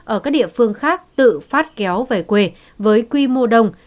ở các địa phương khác tự phát kéo về quê với quy mô đông